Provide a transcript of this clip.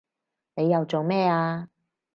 你又做咩啊